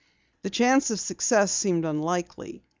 The chance of success seemed unlikely.